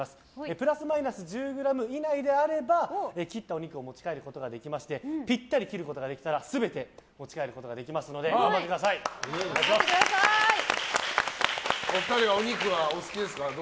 プラスマイナス１０ｇ以内であれば切ったお肉を持ち帰ることができましてピッタリ切ることができれば全て持ち帰ることができるのでお二人はお肉はお好きですか？